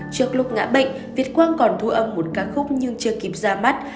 trước lúc ngã bệnh việt quang còn thu âm một ca khúc nhưng chưa kịp ra mắt